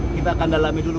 kita akan dalami dulu